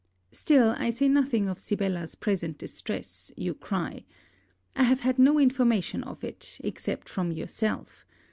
Still I say nothing of Sibella's present distress, you cry. I have had no information of it, except from yourself.